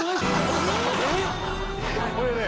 これね